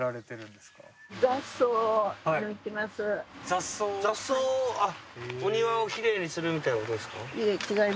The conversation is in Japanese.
雑草を雑草お庭をきれいにするみたいなことですか？